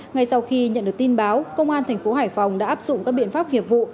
ngay sau khi nhận được tin báo công an tp hải phòng đã áp dụng các biện pháp hiệp vụ